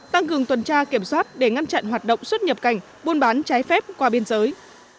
tăng cường tuần tra kiểm soát để ngăn chặn hoạt động xuất nhập cảnh buôn bán trái phép qua biên giới